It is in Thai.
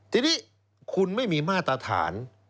ทีนี้คุณไม่มีมาตรฐาน